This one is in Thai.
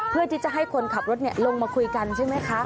เพื่อที่จะให้คนขับรถลงมาคุยกันใช่ไหมคะ